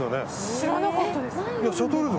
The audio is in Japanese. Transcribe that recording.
知らなかったです。